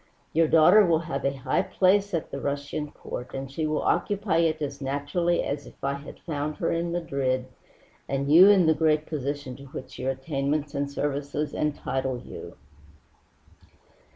Your daughter will have a high place at the Russian Court, and she will occupy it as naturally as if I had found her in Madrid and you in the great position to which your attainments and services entitle you."